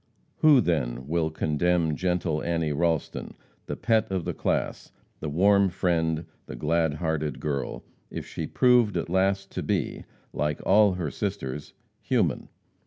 Who, then, will condemn gentle Annie Ralston, the pet of the class, the warm friend, the glad hearted girl, if she proved at last to be like all her sisters human?